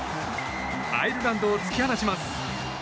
アイルランドを突き放します。